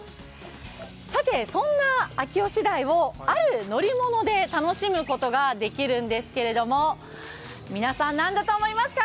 さて、そんな秋吉台をある乗り物で楽しむことができるんですけれども、皆さん、何だと思いますか？